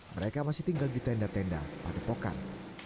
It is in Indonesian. mereka masih tinggal di tenda tenda pada pokat